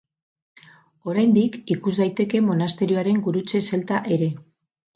Oraindik ikus daiteke monasterioaren gurutze zelta ere.